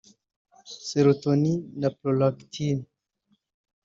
serotonin na prolactin